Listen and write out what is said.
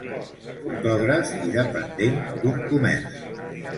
Fotògraf i dependent d'un comerç.